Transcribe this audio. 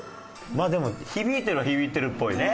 まあでも響いてるは響いてるっぽいね。